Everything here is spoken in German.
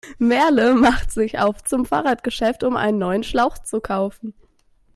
Merle macht sich auf zum Fahrradgeschäft, um einen neuen Schlauch zu kaufen.